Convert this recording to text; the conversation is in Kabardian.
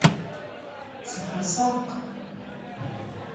Зыхуэсакъ!